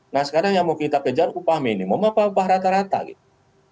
nah sekarang yang mau kita kejar upah minimum apa upah rata rata gitu